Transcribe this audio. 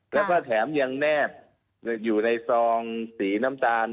แล้วก็แถมยังแนบอยู่ในซองสีน้ำตาล